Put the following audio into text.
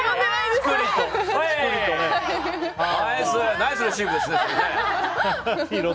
ナイスレシーブですね！